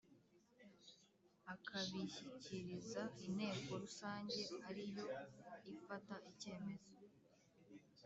akabishyikiriza Inteko Rusange ari nayo ifata icyemezo